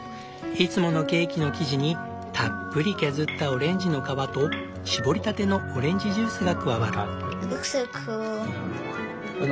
いつものケーキの生地にたっぷり削ったオレンジの皮と搾りたてのオレンジジュースが加わる。